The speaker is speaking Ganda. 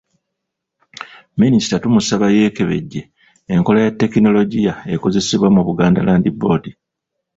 Minisita tumusaba yeekebejje enkola ya ttekinologiya akozesebwa mu Buganda Land Board.